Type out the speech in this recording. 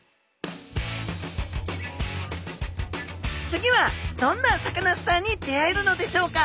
次はどんなサカナスターに出会えるのでしょうか？